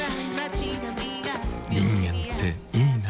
人間っていいナ。